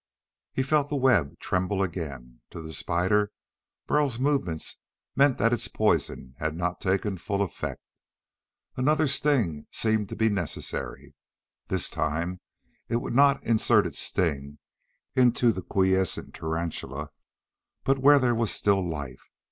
He felt the web tremble again. To the spider Burl's movements meant that its poison had not taken full effect. Another sting seemed to be necessary. This time it would not insert its sting into the quiescent tarantula, but where there was still life.